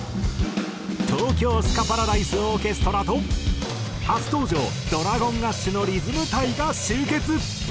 東京スカパラダイスオーケストラと初登場ＤｒａｇｏｎＡｓｈのリズム隊が集結！